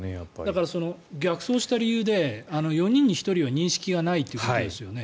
だから、逆走した理由で４人に１人は認識がないということですよね。